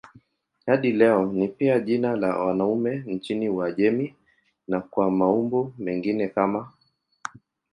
Hadi leo ni pia jina la wanaume nchini Uajemi na kwa maumbo mengine kama